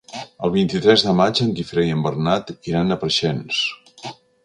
El vint-i-tres de maig en Guifré i en Bernat iran a Preixens.